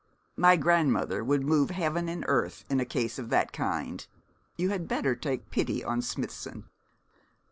My grandmother would move heaven and earth in a case of that kind. You had better take pity on Smithson.'